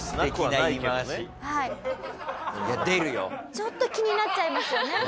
ちょっと気になっちゃいますよね。